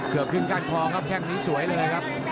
เกือบถึงการคลองครับแข่งนี้สวยเลยครับ